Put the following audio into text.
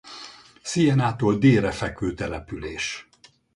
Sienától délre fekvő település.